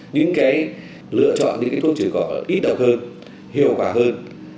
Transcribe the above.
những cái thuốc chửi cỏ ít độc hơn hiệu quả hơn